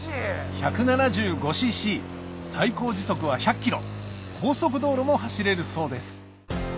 １７５ｃｃ最高時速は１００キロ高速道路も走れるそうです